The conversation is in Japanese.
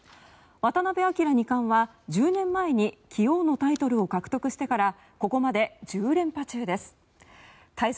渡辺明二冠は、１０年前に棋王のタイトルを獲得してからここまで１０連覇中です。